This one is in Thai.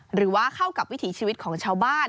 หรือว่าเข้ากับวิถีชีวิตของชาวบ้าน